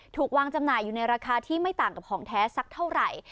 ถูกวางจำหน่ายอยู่ในราคาที่ไม่ต่างกับของแท้สักเท่าไหร่